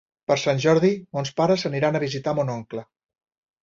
Per Sant Jordi mons pares aniran a visitar mon oncle.